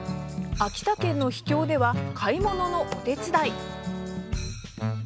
秋田県の秘境では買い物のお手伝い。